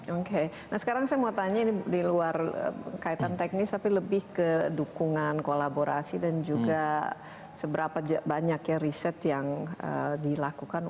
oke nah sekarang saya mau tanya di luar kaitan teknis tapi lebih ke dukungan kolaborasi dan juga seberapa banyak ya riset yang dilakukan